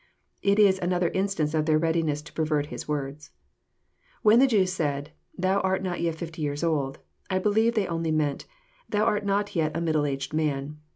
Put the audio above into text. It is another instance of their readiness to pervert His words. When the Jews said, " Thou art not yet fifty years old," I believe they only meant, " Thou art not yet a middle aged man."